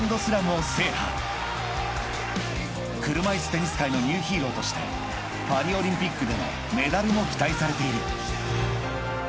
［車いすテニス界のニューヒーローとしてパリオリンピックでのメダルも期待されている］